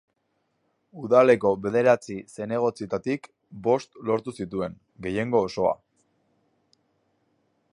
Udaleko bederatzi zinegotzietatik bost lortu zituen, gehiengo osoa.